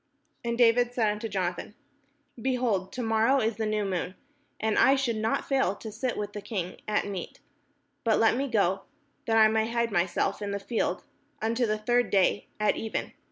And David said unto Jonathan: "Behold, to morrow is the new moon, and I should not fail to sit with the king at meat: but let me go, that I may hide myself in the field unto the third day at even.